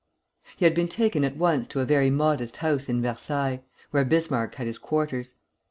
He had been taken at once to a very modest house in Versailles, where Bismarck had his quarters.